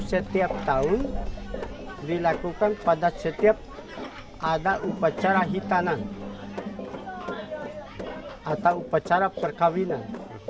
setiap tahun dilakukan pada setiap ada upacara hitanan atau upacara perkawinan